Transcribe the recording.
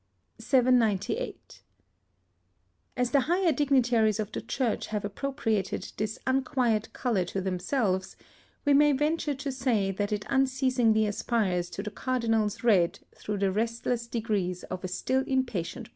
791. As the higher dignitaries of the church have appropriated this unquiet colour to themselves, we may venture to say that it unceasingly aspires to the cardinal's red through the restless degrees of a still impatient progression.